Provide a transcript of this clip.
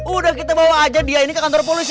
udah kita bawa aja dia ini ke kantor polisi